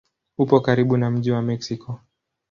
Upo karibu na mji wa Meksiko.